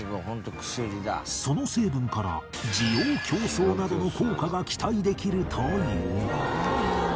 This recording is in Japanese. その成分から滋養強壮などの効果が期待できるという